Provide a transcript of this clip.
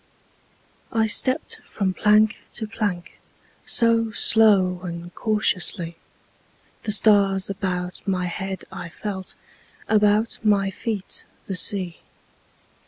I stepped from plank to plank So slow and cautiously; The stars about my head I felt, About my feet the sea.